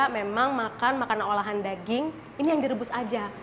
memang makan makanan olahan daging ini yang direbus aja